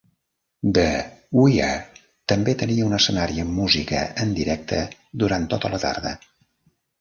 The Weir també tenia un escenari amb música en directe durant tota la tarda.